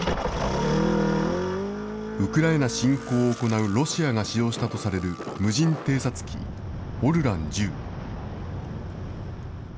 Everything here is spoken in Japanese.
ウクライナ侵攻を行うロシアが使用したとされる無人偵察機オルラン１０。